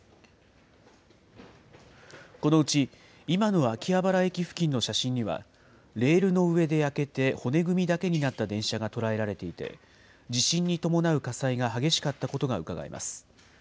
このうち、今の秋葉原駅付近の写真には、レールの上で焼けて骨組みだけになった電車が捉えられていて、地震に伴う火災が激しかったことがうかがえます。